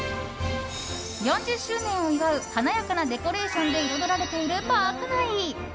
４０周年を祝う華やかなデコレーションで彩られているパーク内。